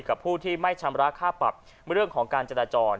ผู้ที่ไม่ชำระค่าปรับเรื่องของการจราจร